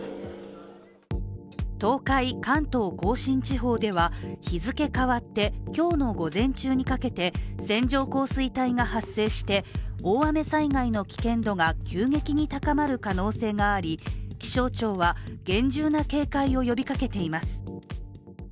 東海・関東甲信地方では日付変わって今日の午前中にかけて線状降水帯が発生して大雨災害の危険度が急激に高まる可能性があり気象庁は厳重な警戒を呼びかけています。